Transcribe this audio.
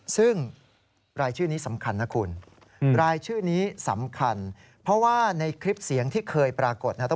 ซึ่งรายชื่อนี้สำคัญนะ